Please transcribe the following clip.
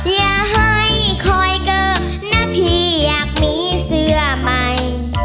อย่าให้คอยเกอนะพี่อยากมีเสื้อใหม่